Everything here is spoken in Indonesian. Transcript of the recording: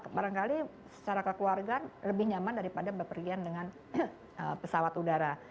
barangkali secara kekeluargaan lebih nyaman daripada berpergian dengan pesawat udara